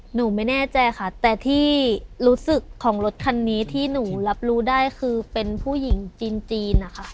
หนูไม่แน่ใจค่ะแต่ที่รู้สึกของรถคันนี้ที่หนูรับรู้ได้คือเป็นผู้หญิงจีนนะคะ